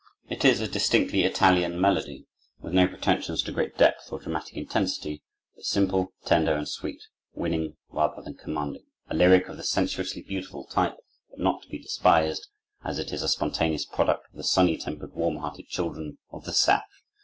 It is a distinctly Italian melody, with no pretensions to great depth or dramatic intensity, but simple, tender, and sweet, winning rather than commanding—a lyric of the sensuously beautiful type, but not to be despised, as it is a spontaneous product of the sunny tempered, warm hearted children of the South.